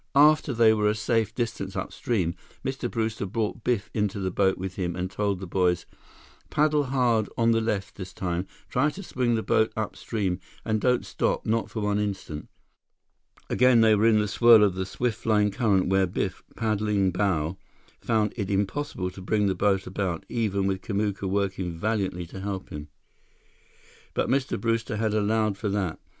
After they were a safe distance upstream, Mr. Brewster brought Biff into the boat with him and told the boys: "Paddle hard on the left, this time. Try to swing the boat upstream—and don't stop, not for one instant!" Again, they were in the swirl of the swift flowing current where Biff, paddling bow, found it impossible to bring the boat about, even with Kamuka working valiantly to help him. But Mr. Brewster had allowed for that.